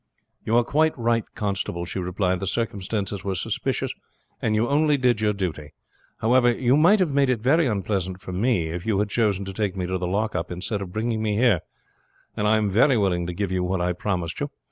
"You are quite right, constable," she replied. "The circumstances were suspicious, and you only did your duty. However, you might have made it very unpleasant for me if you had chosen to take me to the lockup instead of bringing me here, and I am very willing to give you what I promised you.